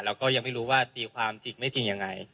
แล้วก็ยังไม่รู้ว่าตีความจริงไม่จริงยังไง